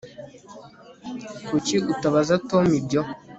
Kuki utabaza Tom ibyo